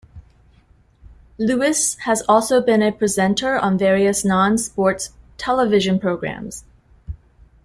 Lewis has also been a presenter on various non-sports television programmes.